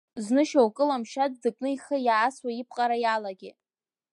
Зны шьоукы ламшьаҵә дыкны ихы иаасуа ипҟара иалагеит.